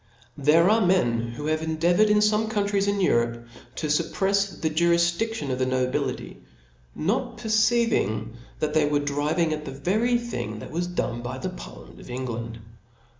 There are men who have endeavoured in fome countries in Europe to fupprefs the jqrifdidlion of the, nobility ; not perceiving that they were driving at the very thing that was done by the parliament of England.